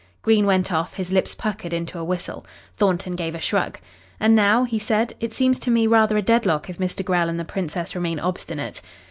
Green went off, his lips puckered into a whistle. Thornton gave a shrug. "And now?" he said. "It seems to me rather a deadlock if Mr. Grell and the Princess remain obstinate."